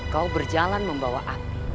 kau berjalan membawa api